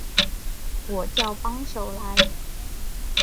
我叫帮手来